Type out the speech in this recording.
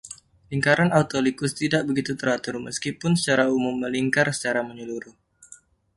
Lingkaran Autolycus tidak begitu teratur, meskipun secara umum melingkar secara menyeluruh.